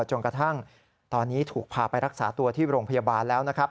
จนกระทั่งตอนนี้ถูกพาไปรักษาตัวที่โรงพยาบาลแล้วนะครับ